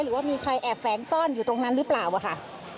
หรือว่ามีใครแอบแฝงซ่อนอยู่ตรงนั้นหรือเปล่าค่ะ